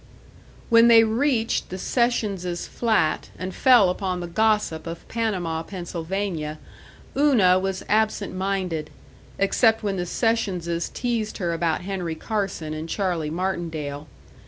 When they reached the Sessionses' flat and fell upon the gossip of Panama, Pennsylvania, Una was absent minded except when the Sessionses teased her about Henry Carson and Charlie Martindale.